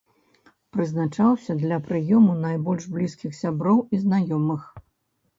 Прызначаўся для прыёму найбольш блізкіх сяброў і знаёмых.